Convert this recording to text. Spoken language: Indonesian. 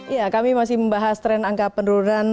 ya kami masih membahas tren angka penurunan